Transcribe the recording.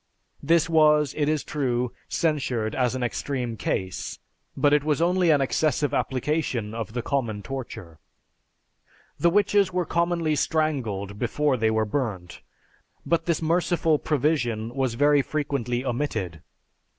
This was, it is true, censured as an extreme case, but it was only an excessive application of the common torture. The witches were commonly strangled before they were burnt, but this merciful provision was very frequently omitted.